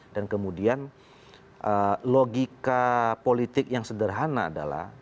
kemudian logika politik yang sederhana adalah